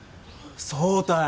そうたい！